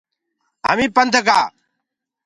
همي پنڌ گآ۔